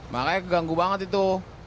makanya ganggu banget itu